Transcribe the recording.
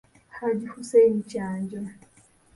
Hajji Hussein Kyanjo.